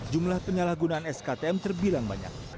jumlah penyalahgunaan sktm terbilang banyak